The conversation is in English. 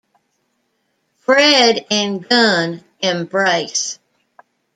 Fred and Gunn embrace.